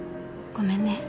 ごめんね